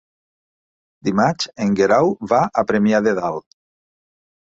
Dimarts en Guerau va a Premià de Dalt.